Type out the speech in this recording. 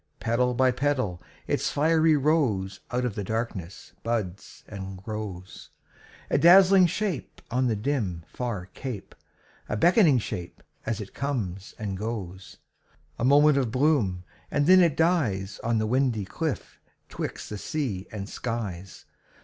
Petal by petal its fiery rose Out of the darkness buds and grows; A dazzling shape on the dim, far cape, A beckoning shape as it comes and goes. A moment of bloom, and then it dies On the windy cliff 'twixt the sea and skies.